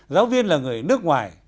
giáo viên là người nước ngoài